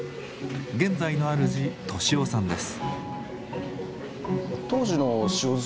現在の主敏夫さんです。